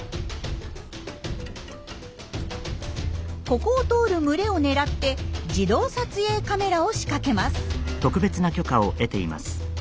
ここを通る群れを狙って自動撮影カメラを仕掛けます。